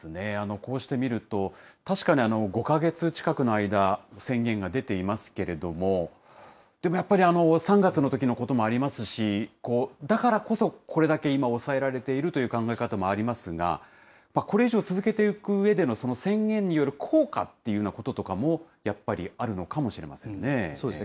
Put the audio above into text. こうしてみると、確かに５か月近くの間、宣言が出ていますけれども、でもやっぱり、３月のときのこともありますし、だからこそこれだけ今、抑えられているという考え方もありますが、これ以上続けていくうえでの宣言による効果っていうようなこととかも、やっぱりあるのかもしれませんね。